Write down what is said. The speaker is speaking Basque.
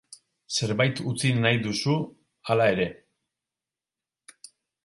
Zerbait utzi nahi duzu, hala ere.